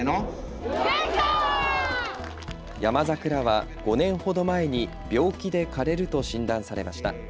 ヤマザクラは５年ほど前に病気で枯れると診断されました。